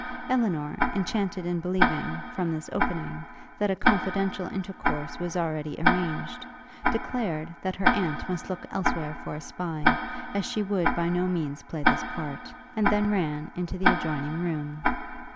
Elinor, enchanted in believing, from this opening, that a confidential intercourse was already arranged, declared, that her aunt must look elsewhere for a spy, as she would by no means play that part; and then ran into the adjoining room.